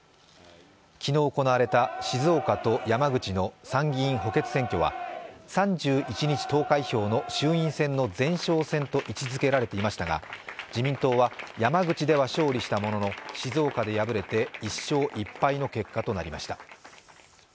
昨日行われた静岡と山口の参議院補欠選挙は、３１日投開票の衆院選の前哨戦と位置づけられていましたが、自民党は山口では勝利したものの静岡では敗れて１勝１敗の結果となりました。